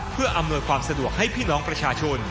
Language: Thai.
เพื่ออำนวยความสะดวกให้พี่น้องประชาชน